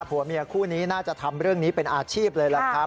ผัวเมียคู่นี้น่าจะทำเรื่องนี้เป็นอาชีพเลยล่ะครับ